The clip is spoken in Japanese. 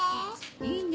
いいね！